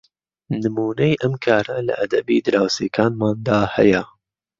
نمونەی ئەم کارە لە ئەدەبی دراوسێکانماندا هەیە